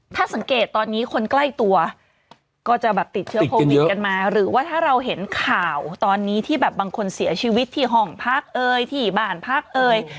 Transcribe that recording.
ถ้าสังเกตตอนนี้คนใกล้ตัวก็จะแบบติดเชื้อโควิดกันมาหรือว่าถ้าเราเห็นข่าวตอนนี้ที่แบบบางคนเสียชีวิตที่ห้องพักเอ่ยที่บ้านพักเอ่ย